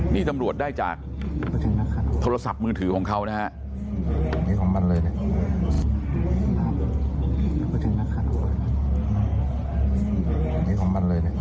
นี่ตำรวจได้จากโทรศัพท์มือถือของเขานะฮะ